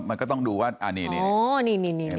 มันก็ต้องดูว่านี่